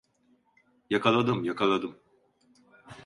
Yakaladım, yakaladım.